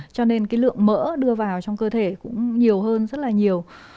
cho nên cái lượng mỡ đưa vào trong cơ thể cũng nhiều hơn rất là nhiều